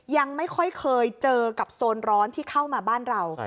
ยังไม่ค่อยเคยเจอกับโซนร้อนที่เข้ามาบ้านเรา